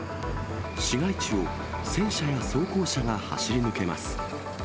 市街地を戦車や装甲車が走り抜けます。